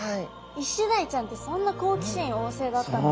イシダイちゃんってそんな好奇心旺盛だったんですね。